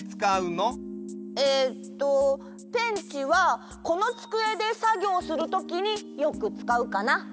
えっとペンチはこのつくえでさぎょうするときによくつかうかな。